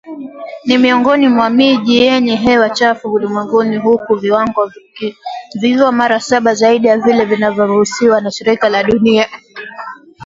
Ni miongoni mwa miji yenye hewa chafu ulimwenguni, huku viwango vikiwa mara saba zaidi ya vile vinavyoruhusiwa na shirika la afya duniani.